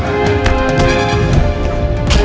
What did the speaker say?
kau tak bisa berpikir pikir